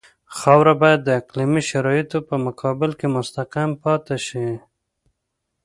خاوره باید د اقلیمي شرایطو په مقابل کې مستحکم پاتې شي